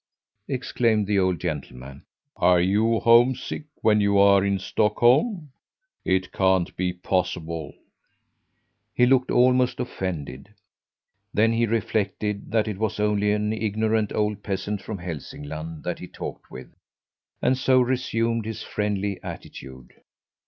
exclaimed the old gentleman. "Are you homesick when you are in Stockholm? It can't be possible!" He looked almost offended. Then he reflected that it was only an ignorant old peasant from Hälsingland that he talked with and so resumed his friendly attitude.